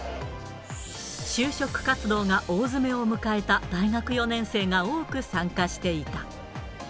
就職活動が大詰めを迎えた大学４年生が多く参加していた。